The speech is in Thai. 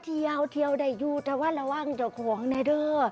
เที่ยวเที่ยวได้อยู่แต่ว่าระวังเจ้าของนะเด้อ